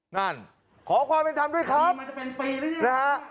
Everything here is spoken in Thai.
นั่นขอความเป็นทำด้วยครับมันจะเป็นปีแล้วเนี้ยนะฮะ